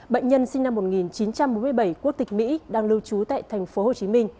bệnh nhân sinh năm một nghìn chín trăm bốn mươi bảy quốc tịch mỹ đang lưu trú tại tp hcm